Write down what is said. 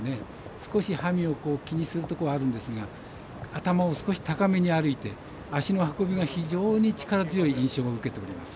少しハミを気にするところはあるんですが頭を少し高めに歩いて脚の運びが非常に力強い印象を受けております。